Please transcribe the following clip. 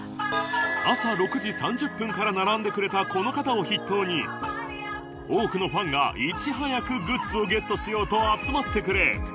朝６時３０分から並んでくれたこの方を筆頭に多くのファンがいち早くグッズをゲットしようと集まってくれ